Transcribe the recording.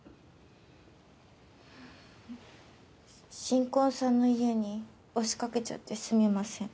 新婚さんの家に押し掛けちゃってすみません。